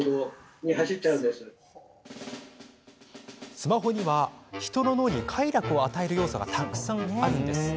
スマホには人の脳に快楽を与える要素がたくさんあるんです。